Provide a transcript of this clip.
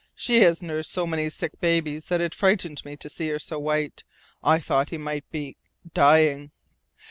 She has nursed so many sick babies that it frightened me to see her so white. I thought he might be dying."